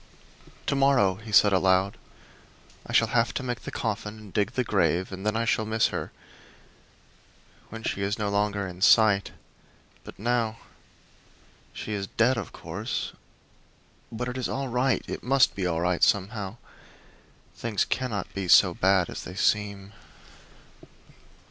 "To morrow," he said aloud, "I shall have to make the coffin and dig the grave; and then I shall miss her, when she is no longer in sight; but now she is dead, of course, but it is all right it must be all right, somehow. Things cannot be so bad as they seem."